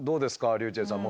ｒｙｕｃｈｅｌｌさん